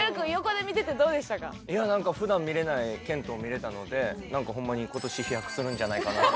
いやなんか普段見れない謙杜を見れたのでなんかホンマに今年飛躍するんじゃないかなって。